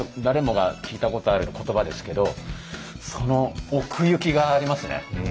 誰もが聞いたことある言葉ですけどその奥行きがありますね。